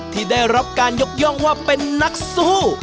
ที่ได้รับการยกย่องว่าเป็นนักสู้